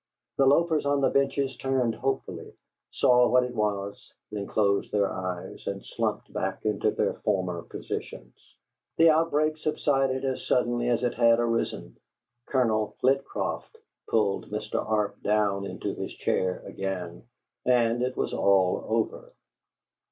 The loafers on the benches turned hopefully, saw what it was, then closed their eyes, and slumped back into their former positions. The outbreak subsided as suddenly as it had arisen: Colonel Flitcroft pulled Mr. Arp down into his chair again, and it was all over.